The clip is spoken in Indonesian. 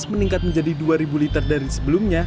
meningkat menjadi dua liter dari sebelumnya